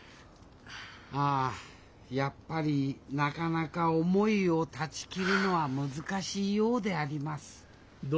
ああやっぱりなかなか思いを断ち切るのは難しいようであります